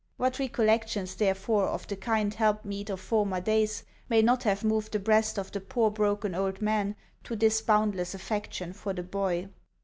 What recollections, therefore, of the kind helpmeet of former days may not have moved the breast of the poor broken old man to this boundless affection for the boy?